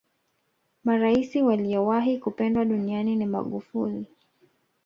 maraisi waliyowahi kupendwa duniani ni magufuli